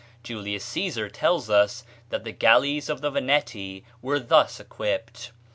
Julius Cæsar tells us that the galleys of the Veneti were thus equipped.